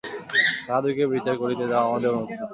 তাঁহাদিগকে বিচার করিতে যাওয়া আমাদের অনুচিত।